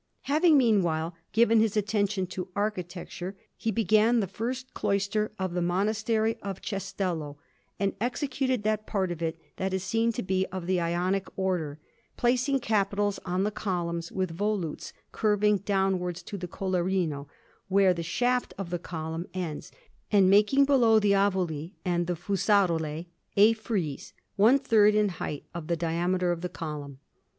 Having meanwhile given his attention to architecture, he began the first cloister of the Monastery of Cestello, and executed that part of it that is seen to be of the Ionic Order; placing capitals on the columns with volutes curving downwards to the collarino, where the shaft of the column ends, and making, below the ovoli and the fusarole, a frieze, one third in height of the diameter of the column.